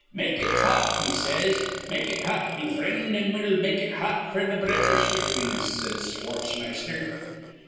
'Make it hot,' he says. 'Make it hot, me frind; an' we'll make it hot f'r th' British between us,' says Schwartzmeister.